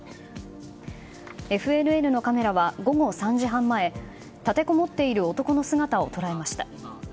ＦＮＮのカメラは午後３時半前立てこもっている男の姿を捉えました。